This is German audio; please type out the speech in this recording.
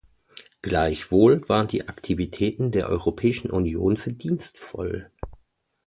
Gleichwohl waren die Aktivitäten der Europäischen Union verdienstvoll.